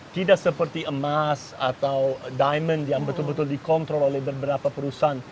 tidak seperti emas atau diamond yang betul betul dikontrol oleh beberapa perusahaan